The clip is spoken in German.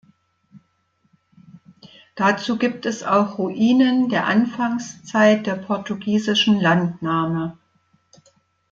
Dazu gibt es auch Ruinen der Anfangszeit der portugiesischen Landnahme.